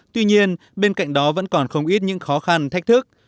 tuy nhiên bên cạnh đó vẫn còn không ít những khó khăn thách thức